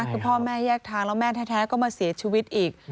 คือพ่อแม่แยกทางแล้วแม่แท้ก็มาเสียชีวิตอีก